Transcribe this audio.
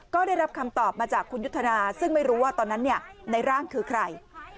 ก็ได้รับคำตอบมาจากคุณยุทธนาซึ่งไม่รู้ว่าตอนนั้นในร่างคือใคร